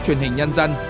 truyền hình nhân dân